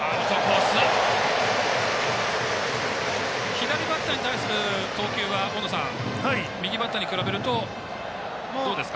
左バッターに対する投球は大野さん、右バッターに比べるとどうですか？